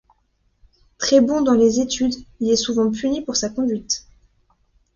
Très bon dans les études, il est souvent puni pour sa conduite.